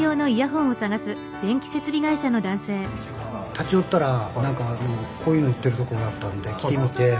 立ち寄ったらこういうの売ってるとこがあったんで来てみて。